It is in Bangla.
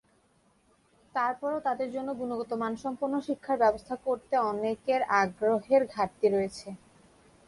তারপরও তাদের জন্য গুণগত মানসম্পন্ন শিক্ষার ব্যবস্থা করতে অনেকের আগ্রহের ঘাটতি রয়েছে।